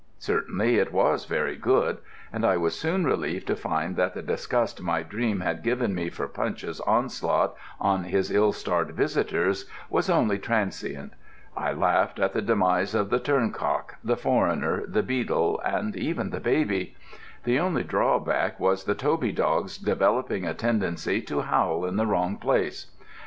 Certainly it was very good; and I was soon relieved to find that the disgust my dream had given me for Punch's onslaughts on his ill starred visitors was only transient. I laughed at the demise of the Turncock, the Foreigner, the Beadle, and even the baby. The only drawback was the Toby dog's developing a tendency to howl in the wrong place.